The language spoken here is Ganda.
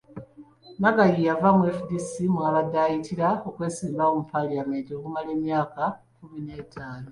Naggayi yava mu FDC, mw'abadde ayitira okwesimbawo mu Paalamenti okumala emyaka kkumi n'etaano.